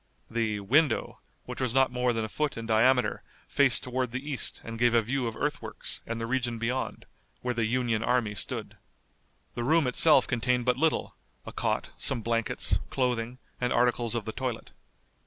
The "window," which was not more than a foot in diameter faced toward the east and gave a view of earthworks, and the region beyond, where the Union army stood. The room itself contained but little, a cot, some blankets, clothing, and articles of the toilet.